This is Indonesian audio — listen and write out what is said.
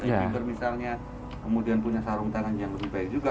fiber misalnya kemudian punya sarung tangan yang lebih baik juga